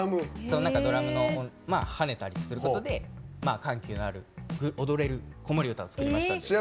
ドラムの、跳ねたりすることで緩急のある踊れる子守唄を作りましたんで。